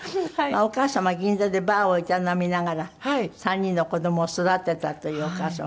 お母様は銀座でバーを営みながら３人の子どもを育てたというお母様。